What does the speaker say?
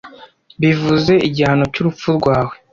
bivuze igihano cyurupfu rwawe